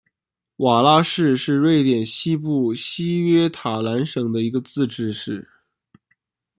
瓦拉市是瑞典西部西约塔兰省的一个自治市。